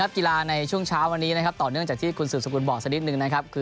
กีฬาในช่วงเช้าต่อเนื่องจากที่สกุลบอก